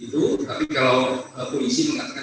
tapi kalau polisi mengatakan